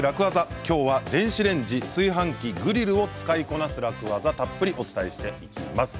今日は電子レンジ、炊飯器グリルを使いこなす、楽ワザをたっぷりお伝えしていきます。